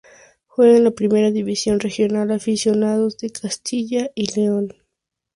Juega en la Primera División Regional Aficionados de Castilla y León.